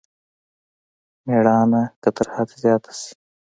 مېړانه که تر حد زيات شي.